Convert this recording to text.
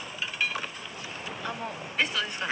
「あもうベストですかね」。